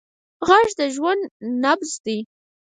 غږ د ژوند نبض دی